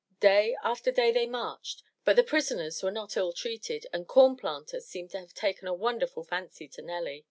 Day after day they marched, but the prisoners were not ill treated, and Corn Planter seemed to have taken a wonderful fancy to Nelly.